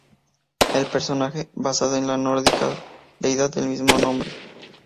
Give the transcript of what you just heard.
El personaje, basado en la nórdica deidad del mismo nombre.